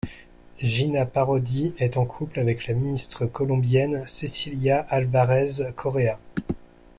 Gina Parody est en couple avec la ministre colombienne Cecilia Álvarez Correa.